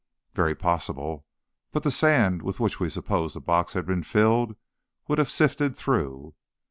"Very possible, but the sand with which we supposed the box had been filled would have sifted through."